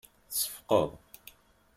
Tseffqeḍ.